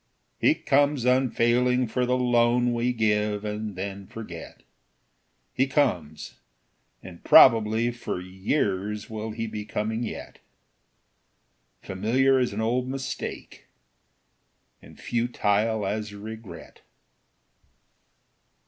He comes unfailing for the loan We give and then forget; He comes, and probably for years Will he be coming yet, Familiar as an old mistake, And futile as regret.